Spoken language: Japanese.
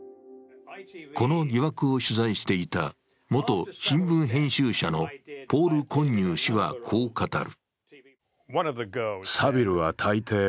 この疑惑を取材していた元新聞編集者のポール・コンニュー氏はこう語る。